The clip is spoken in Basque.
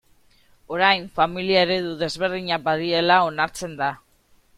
Orain familia eredu desberdinak badirela onartzen da.